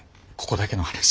ここだけの話。